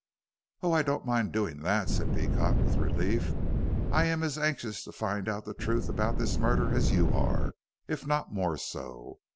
"Oh, I don't mind doing that," said Beecot, with relief. "I am as anxious to find out the truth about this murder as you are, if not more so.